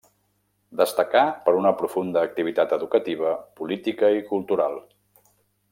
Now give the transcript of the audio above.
Destacà per una profunda activitat educativa, política i cultural.